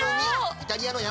イタリアの海！